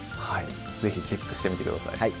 はい是非チェックしてみて下さい。